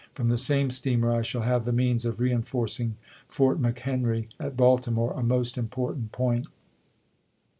From the same steamer I shall have the means of reenforcing Fort McHenry (at Balti ms. more), a most important point.